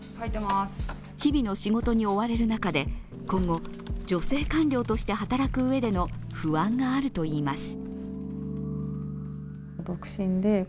日々の仕事に追われる中で今後、女性官僚として働く上での不安があるといいます。